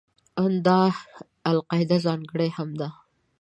ان دا د القاعده ځانګړنې هم دي.